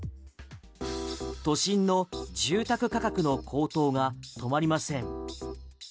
都心の住宅価格の高騰が止まりません。